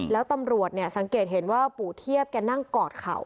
แล้วตำรวจเนี่ยสังเกตเห็นว่าปู่เทียบแกนั่งกอดเข่า